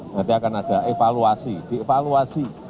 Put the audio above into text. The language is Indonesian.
nanti akan ada evaluasi dievaluasi